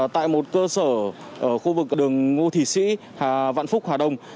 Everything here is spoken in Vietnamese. tại một cơ sở ở khu vực đường ngô thị sĩ vạn phúc hà đông